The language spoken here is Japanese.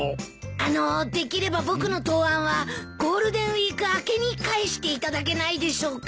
あのできれば僕の答案はゴールデンウィーク明けに返していただけないでしょうか。